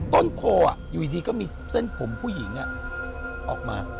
ต้นโพอยู่ดีก็มีเส้นผมผู้หญิงออกมา